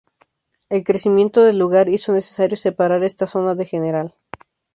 El crecimiento del lugar hizo necesario separar esta zona de Gral.